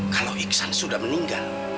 kalau iksan sudah meninggal